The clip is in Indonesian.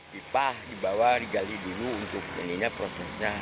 pipa dibawa digali dulu untuk ininya prosesnya